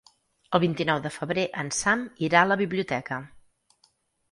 El vint-i-nou de febrer en Sam irà a la biblioteca.